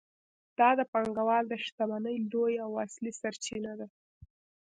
دا د پانګوال د شتمنۍ لویه او اصلي سرچینه ده